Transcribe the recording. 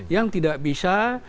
yang tidak bisa